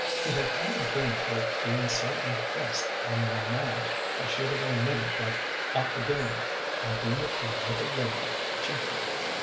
If it hadn't be'n for its bein' so impressed on my mind, I should have omitted that opodildack. I deem it a winter remedy, chiefly."